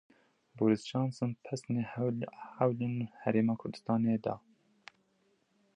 Boris Johnson pesnê hewlên Herêma Kurdistanê da.